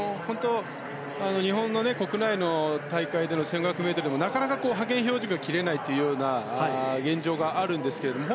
日本の国内の大会での１５００ｍでもなかなか派遣標準記録が切れないというような現状があるんですけれども。